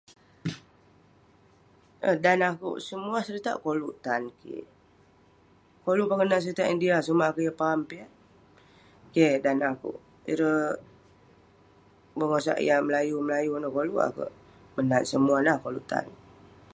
Dan akouk semua seritak koluk tan kik. Koluk pe akouk nat seritak india, sumak akouk yeng paham piak. Keh dan akouk- ireh pengosak yah melayu-melayu ineh koluk akouk. Menat semau la, koluk tan.